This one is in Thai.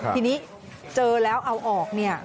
ทีนี้เจอแล้วเอาออกเนี่ย